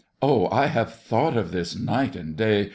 Oh, I have thought of this night and day.